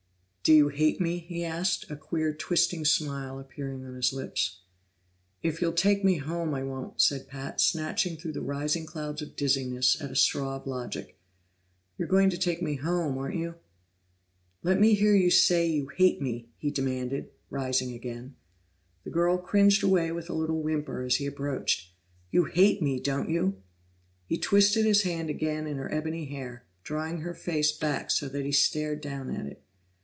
"Do you hate me?" he asked, a queer twisting smile appearing on his lips. "If you'll take me home I won't," said Pat, snatching through the rising clouds of dizziness at a straw of logic. "You're going to take me home, aren't you?" "Let me hear you say you hate me!" he demanded, rising again. The girl cringed away with a little whimper as he approached. "You hate me, don't you?" He twisted his hand again in her ebony hair, drawing her face back so that he stared down at it.